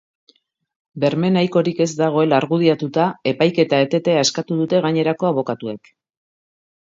Berme nahikorik ez dagoela argudiatuta, epaiketa etetea eskatu dute gainerako abokatuek.